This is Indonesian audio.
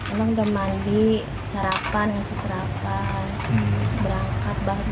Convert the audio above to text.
emang udah mandi sarapan ngasih sarapan berangkat